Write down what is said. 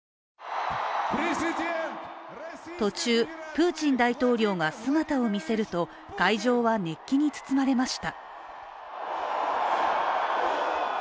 途中、プーチン大統領が姿を見せると会場は熱気に包まれました。